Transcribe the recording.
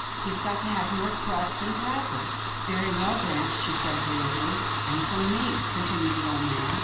He's got to have more crusts and crackers." " Very well, grampa," she said agreeably. " And some meat," continued the old man.